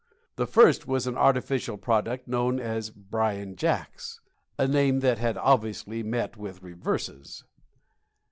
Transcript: The first was an artificial product known as Bryan Jacks a name that had obviously met with reverses.